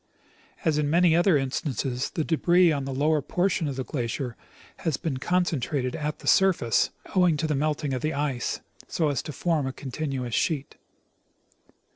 As in many other instances, the debris on the lower portion of the glacier has been concentrated at the surface, owing to the melting of the ice, so as to form a continuous sheet.